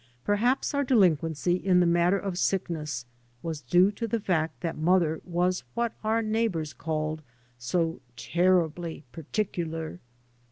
Perhaps our delinquency in the mat ter of sickness was due to the fact that mother was what our neighbours called so " terrubly pertikler."